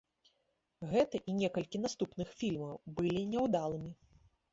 Гэты і некалькі наступных фільмаў былі няўдалымі.